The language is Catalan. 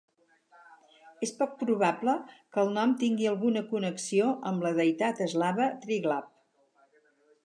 És poc probable que el nom tingui alguna connexió amb la deïtat eslava Triglav.